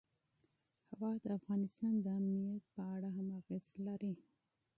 هوا د افغانستان د امنیت په اړه هم اغېز لري.